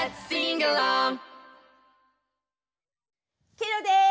ケロです！